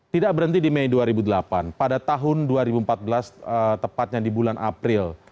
tidak berhenti di mei dua ribu delapan pada tahun dua ribu empat belas tepatnya di bulan april